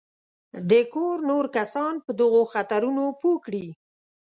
د کور نور کسان په دغو خطرونو پوه کړي.